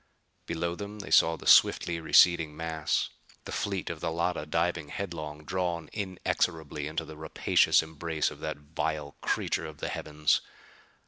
Below them they saw the swiftly receding mass: the fleet of the Llotta diving headlong, drawn inexorably into the rapacious embrace of the vile creature of the heavens.